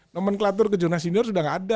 nomenklatur kejurnas junior sudah tidak ada